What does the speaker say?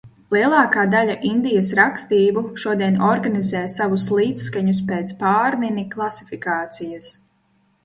Lielākā daļa Indijas rakstību šodien organizē savus līdzskaņus pēc Pārnini klasifikācijas.